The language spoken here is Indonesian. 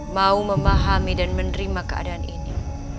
mau memahami dan menerima keadaan ini